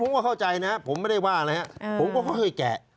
ผมก็เข้าใจนะครับผมไม่ได้ว่านะครับผมก็เคยแกะ